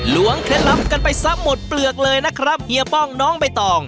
ล้วเคล็ดลับกันไปซะหมดเปลือกเลยนะครับเฮียป้องน้องใบตอง